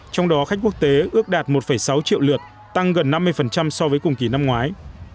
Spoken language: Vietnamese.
trong đó khách quốc tế ước đạt một sáu triệu lượt tăng gần năm mươi so với cùng kỳ năm ngoái